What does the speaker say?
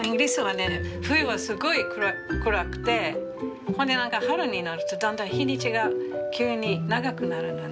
冬はすごい暗くてほんで春になるとだんだん日にちが急に長くなるのね。